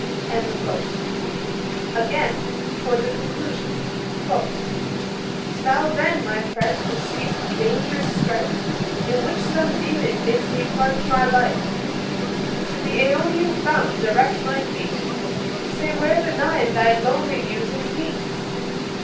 [Page 356: Arthur Murphy. A.D. 1760.] Again, towards the conclusion: 'Thou then, my friend, who seest the dang'rous strife In which some demon bids me plunge my life, To the Aonian fount direct my feet, Say where the Nine thy lonely musings meet?